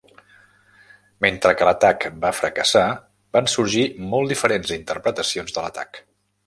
Mentre que l'atac va fracassar, van sorgir molt diferents interpretacions de l'atac.